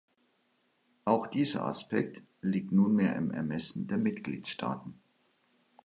Auch dieser Aspekt liegt nunmehr im Ermessen der Mitgliedstaaten.